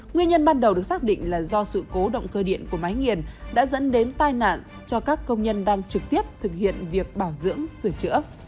nguyên nhân ban đầu được xác định là do sự cố động cơ điện của máy nghiền đã dẫn đến tai nạn cho các công nhân đang trực tiếp thực hiện việc bảo dưỡng sửa chữa